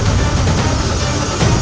kita akan menemukan